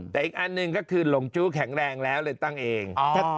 แต่อีกอันหนึ่งก็คือหลงจู้แข็งแรงแล้วเลยตั้งเอง